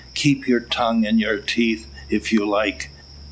"Keep your tongue in your teeth, if you like.